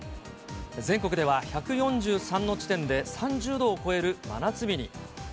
全国では１４３の地点で３０度を超える真夏日に。